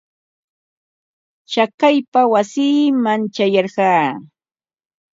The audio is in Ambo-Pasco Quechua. Chakaypa wasiiman ćhayarqaa.